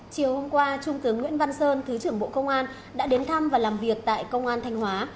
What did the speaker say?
chiều hôm qua trung tướng nguyễn văn sơn thứ trưởng bộ công an đã đến thăm và làm việc tại công an thanh hóa